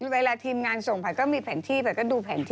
เวลาทีมงานส่งผัดก็มีแผนที่ผัดก็ดูแผนที่